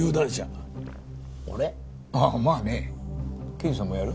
刑事さんもやる？